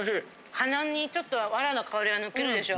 鼻にちょっとワラの香りが抜けるでしょ？